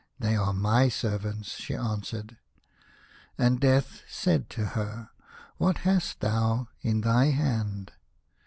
" They are my servants," she answered. And Death said to her, " What hast thou in thy hand